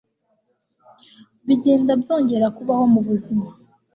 bigenda byongera kubaho mubuzima